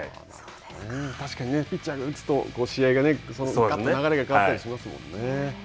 確かにピッチャーが打つと、試合が、ガッと流れが変わったりしますもんね。